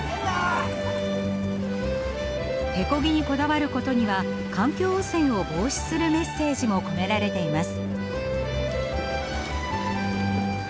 手漕ぎにこだわることには環境汚染を防止するメッセージも込められています。